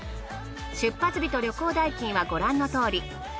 出発日と旅行代金はご覧のとおり。